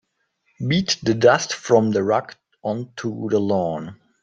Beat the dust from the rug onto the lawn.